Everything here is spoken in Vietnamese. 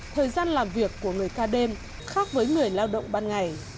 thời gian làm việc của người ca đêm khác với người lao động ban ngày